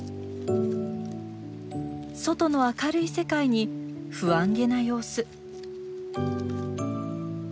外の明るい世界に不安げな様子。